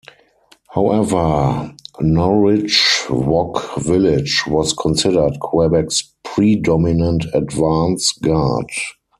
However, Norridgewock Village was considered Quebec's predominant advance guard.